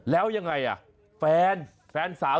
แล้วอย่างไรน่ะแฟนแฟนสาว